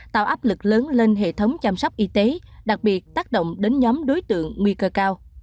tạo áp lực lớn lên hệ thống chăm sóc y tế đặc biệt tác động đến nhóm đối tượng nguy cơ cao